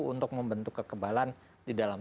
untuk membentuk kekebalan di dalam